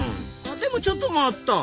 でもちょっと待った！